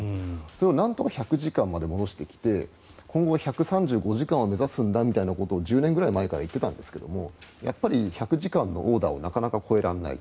それをなんとか１００時間まで戻してきて今後は１３５時間を目指すんだみたいなことを１０年前から言っていたんですがやっぱり１００時間のオーダーをなかなか超えられない。